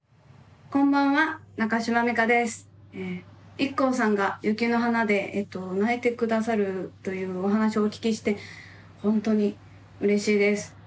ＩＫＫＯさんが「雪の華」で泣いて下さるというお話をお聞きしてほんとにうれしいです。